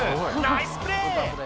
ナイスプレー！